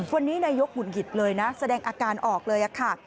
วันนี้นายกหงุดหงิดเลยนะแสดงอาการออกเลยค่ะ